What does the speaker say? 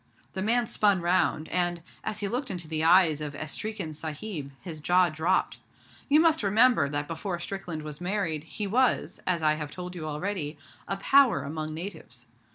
The man spun round, and, as he looked into the eyes of 'Estreekin Sahib', his jaw dropped. You must remember that before Strickland was married, he was, as I have told you already, a power among natives.